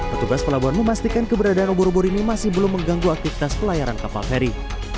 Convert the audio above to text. petugas pelabuhan memastikan keberadaan ubur ubur ini masih belum mengganggu aktivitas pelayaran kapal feri